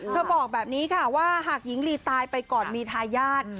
บอกแบบนี้ค่ะว่าหากหญิงลีตายไปก่อนมีทายาท